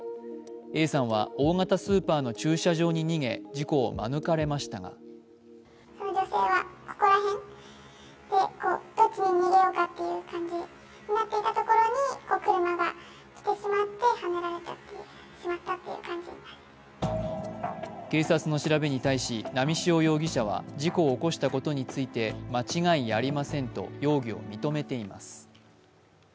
Ａさんは大型スーパーの駐車場に逃げ、事故を免れましたが警察の調べに対し波汐容疑者は事故を起こしたことについて間違いありませんと容疑を認めています。